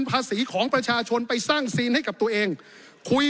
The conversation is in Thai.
ขอประท้วงครับขอประท้วงครับขอประท้วงครับขอประท้วงครับ